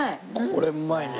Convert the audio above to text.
これうまいね。